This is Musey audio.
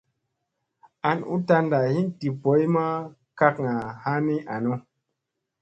An u tanda hin di boy ma kakŋa ha ni any.